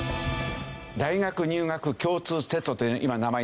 「大学入学共通テスト」という今名前になってます。